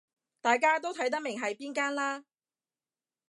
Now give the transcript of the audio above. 大家都睇得明係邊間啦